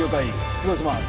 出動します